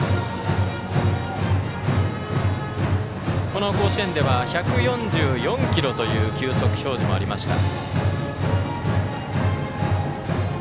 この甲子園では１４４キロという球速表示もありました。